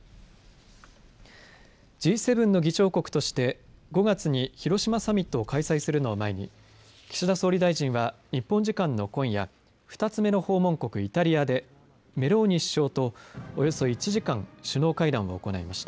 Ｇ７の議長国として５月に広島サミットを開催するのを前に岸田総理大臣は日本時間の今夜２つ目の訪問国イタリアでメローニ首相とおよそ１時間首脳会談を行いました。